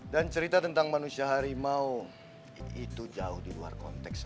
dan cerita tentang manusia harimau itu jauh di luar konteks